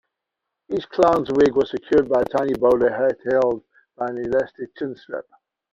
Each clown's wig was secured by a tiny bowler hat held by an elastic chin-strap.